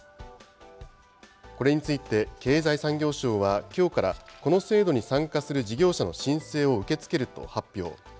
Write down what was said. これについて経済産業省はきょうから、この制度に参加する事業者の申請を受け付けると発表。